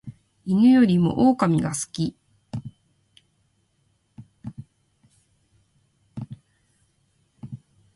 犬よりも狼が好き